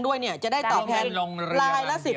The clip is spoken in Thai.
สวัสดีค่าข้าวใส่ไข่